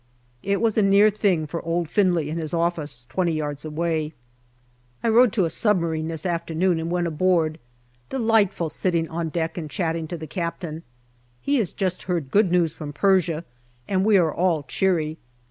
It was a near thing for old Findlay in his office, twenty yards away. I rowed to a submarine this afternoon and went aboard. Delightful sitting on deck and chatting to the Captain. He has just heard good news from Persia, and we are all cheery.